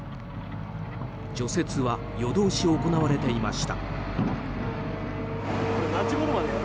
除雪は夜通し行われていました。